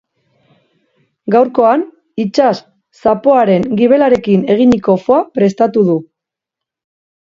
Gaurkoan itsas zapoaren gibelarekin eginiko foie prestatu du.